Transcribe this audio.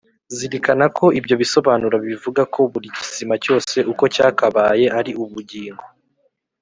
zirikana ko ibyo bisobanuro bivuga ko buri kizima cyose uko cyakabaye ari ubugingo.